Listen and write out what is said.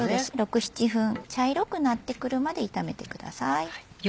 ６７分茶色くなってくるまで炒めてください。